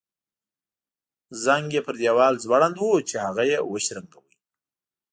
زنګ یې پر دیوال ځوړند وو چې هغه یې وشرنګاوه.